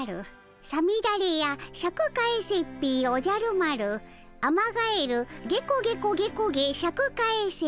「さみだれやシャク返せっピィおじゃる丸」「アマガエルゲコゲコゲコゲシャク返せ」。